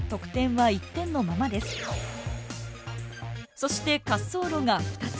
そして滑走路が２つ。